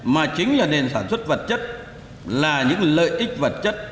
mà chính là nền sản xuất vật chất là những lợi ích vật chất